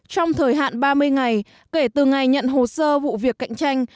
trong thời hạn ba mươi ngày kể từ ngày nhận hồ sơ vụ việc cạnh tranh